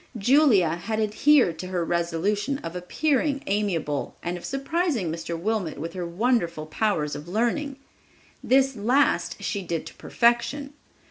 Julia had adhered to her resolution of appearing amiable and of surprising Mr. Wilmot with her wonderful powers of learning. This last she did to perfection.